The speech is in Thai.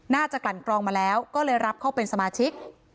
กลั่นกรองมาแล้วก็เลยรับเข้าเป็นสมาชิก